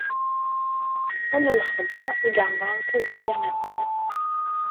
Ala lexdeɛ, i iɛemren timetti ass-a?